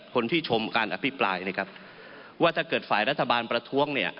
ชมการอภิปรายนะครับว่าถ้าเกิดฝ่ายรัฐบาลประท้วงเนี่ย